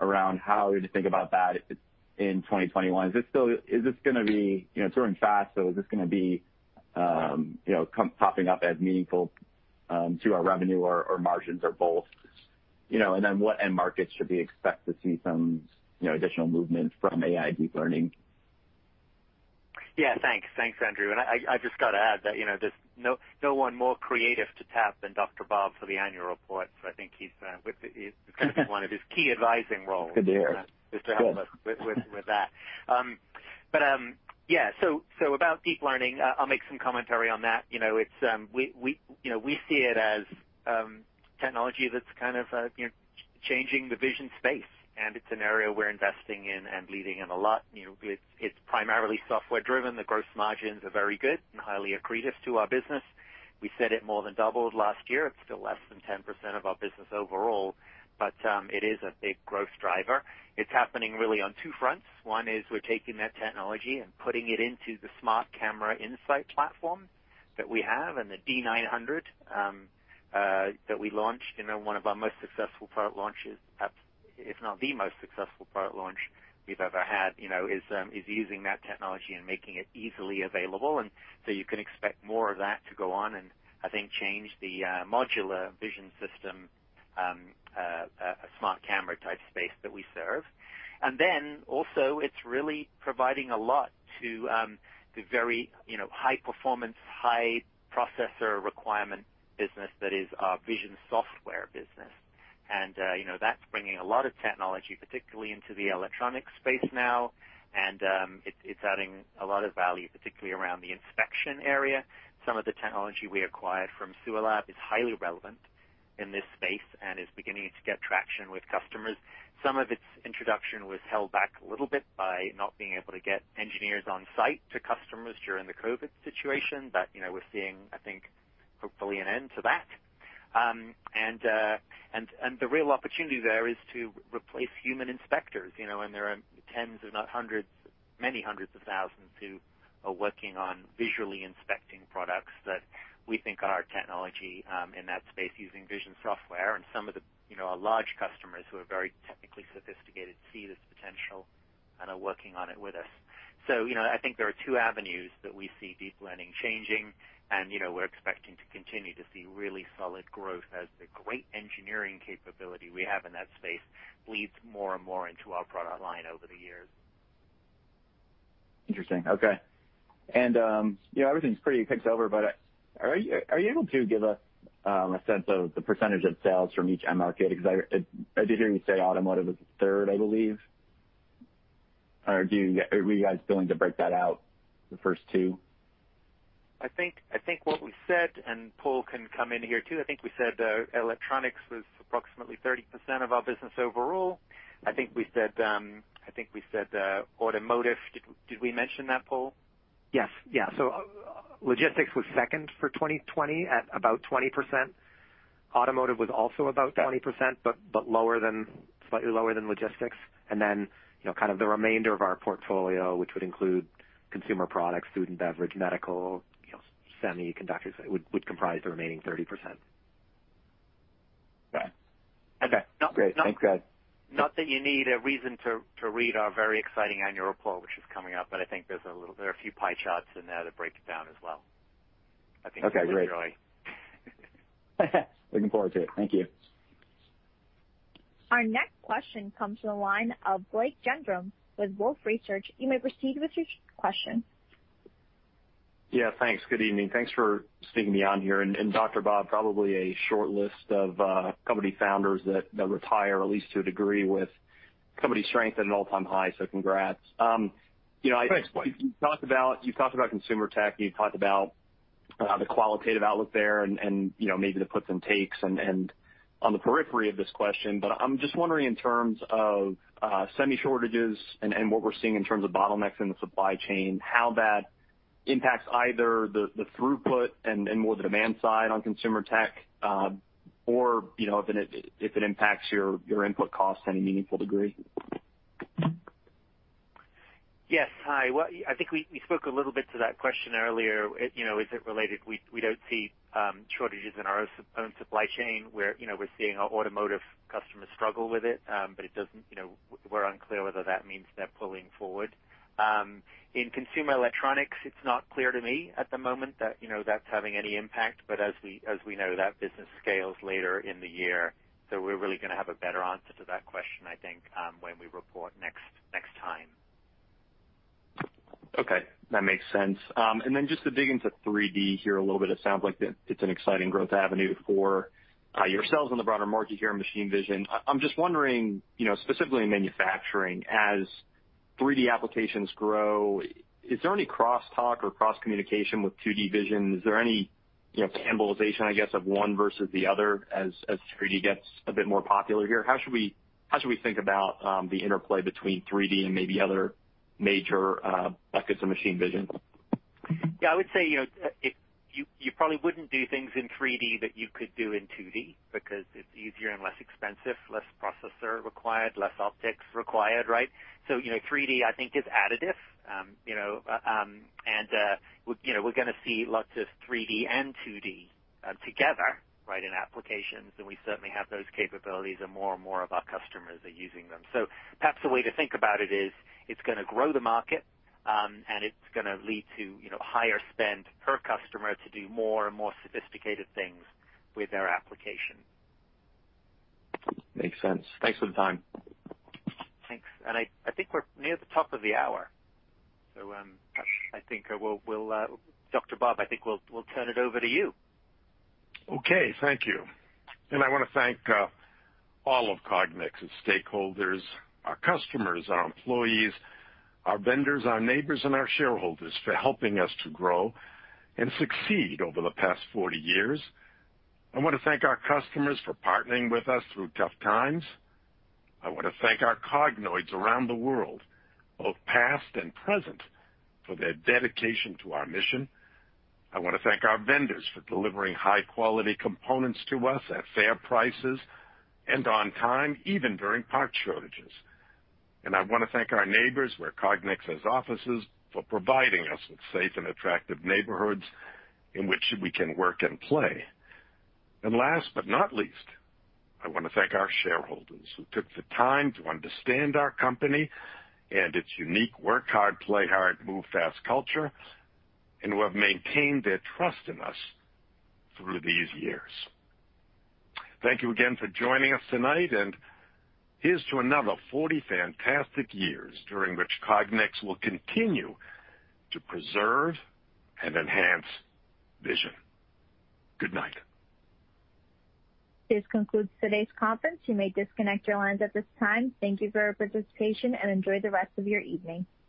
around how you think about that in 2021? It's growing fast, so is this going to be popping up as meaningful to our revenue or margins or both? What end markets should we expect to see some additional movement from AI deep learning? Yeah, thanks, Andrew. I just got to add that there's no one more creative to tap than Dr. Bob for the annual report. I think it's kind of one of his key advising roles. Good to hear. just to help us with that. About deep learning, I'll make some commentary on that. We see it as technology that's kind of changing the vision space, and it's an area we're investing in and leading in a lot. It's primarily software driven. The gross margins are very good and highly accretive to our business. We said it more than doubled last year. It's still less than 10% of our business overall, but it is a big growth driver. It's happening really on two fronts. One is we're taking that technology and putting it into the smart camera In-Sight platform that we have, and the D900 that we launched, one of our most successful product launches, if not the most successful product launch we've ever had, is using that technology and making it easily available. You can expect more of that to go on and I think change the modular vision system, a smart camera type space that we serve. It's really providing a lot to the very high performance, high processor requirement business that is our vision software business. That's bringing a lot of technology, particularly into the electronic space now, and it's adding a lot of value, particularly around the inspection area. Some of the technology we acquired from SUALAB is highly relevant in this space and is beginning to get traction with customers. Some of its introduction was held back a little bit by not being able to get engineers on site to customers during the COVID-19 situation. We're seeing, I think, hopefully an end to that. The real opportunity there is to replace human inspectors, and there are tens, if not hundreds, many hundreds of thousands who are working on visually inspecting products that we think our technology in that space using vision software and some of our large customers who are very technically sophisticated, see this potential and are working on it with us. I think there are two avenues that we see deep learning changing, and we're expecting to continue to see really solid growth as the great engineering capability we have in that space bleeds more and more into our product line over the years. Interesting. Okay. Everything's pretty kicked over, but are you able to give us a sense of the % of sales from each end market? I did hear you say automotive was a third, I believe. Are you guys willing to break that out, the first two? I think what we said, and Paul can come in here too, I think we said electronics was approximately 30% of our business overall. I think we said automotive, did we mention that, Paul? Yes. Yeah. Logistics was second for 2020 at about 20%. Automotive was also about 20%, but slightly lower than logistics. Kind of the remainder of our portfolio, which would include consumer products, food and beverage, medical, semiconductors, would comprise the remaining 30%. Okay, great. Thanks, guys. Not that you need a reason to read our very exciting annual report, which is coming up, but I think there are a few pie charts in there that break it down as well. I think you'll enjoy. Okay, great. Looking forward to it. Thank you. Our next question comes from the line of Blake Gendron with Wolfe Research. You may proceed with your question. Yeah, thanks. Good evening. Thanks for sticking me on here. Dr. Bob, probably a short list of company founders that retire, at least to a degree, with company strength at an all-time high. Congrats. Thanks, Blake. You talked about consumer tech, and you talked about the qualitative outlook there and maybe the puts and takes and on the periphery of this question, but I'm just wondering in terms of semi shortages and what we're seeing in terms of bottlenecks in the supply chain, how that impacts either the throughput and more the demand side on consumer tech, or if it impacts your input costs to any meaningful degree? Yes. Hi. Well, I think we spoke a little bit to that question earlier, is it related? We don't see shortages in our own supply chain. We're seeing our automotive customers struggle with it. We're unclear whether that means they're pulling forward. In consumer electronics, it's not clear to me at the moment that that's having any impact, but as we know, that business scales later in the year, so we're really going to have a better answer to that question, I think, when we report next time. Okay. That makes sense. Just to dig into 3D here a little bit, it sounds like it's an exciting growth avenue for yourselves on the broader market here in machine vision. I'm just wondering, specifically in manufacturing, as 3D applications grow, is there any crosstalk or cross communication with 2D vision? Is there any cannibalization, I guess, of one versus the other as 3D gets a bit more popular here? How should we think about the interplay between 3D and maybe other major buckets of machine vision? Yeah, I would say, you probably wouldn't do things in 3D that you could do in 2D because it's easier and less expensive, less processor required, less optics required, right? 3D, I think is additive. We're going to see lots of 3D and 2D together in applications, and we certainly have those capabilities, and more and more of our customers are using them. Perhaps a way to think about it is it's going to grow the market, and it's going to lead to higher spend per customer to do more and more sophisticated things with their application. Makes sense. Thanks for the time. Thanks. I think we're near the top of the hour, so I think Dr. Bob, we'll turn it over to you. Okay, thank you. I want to thank all of Cognex's stakeholders, our customers, our employees, our vendors, our neighbors, and our shareholders for helping us to grow and succeed over the past 40 years. I want to thank our customers for partnering with us through tough times. I want to thank our Cognoids around the world, both past and present, for their dedication to our mission. I want to thank our vendors for delivering high-quality components to us at fair prices and on time, even during part shortages. I want to thank our neighbors, where Cognex has offices, for providing us with safe and attractive neighborhoods in which we can work and play. Last but not least, I want to thank our shareholders who took the time to understand our company and its unique work hard, play hard, move fast culture, and who have maintained their trust in us through these years. Thank you again for joining us tonight, and here's to another 40 fantastic years during which Cognex will continue to preserve and enhance vision. Good night. This concludes today's conference. You may disconnect your lines at this time. Thank you for your participation and enjoy the rest of your evening.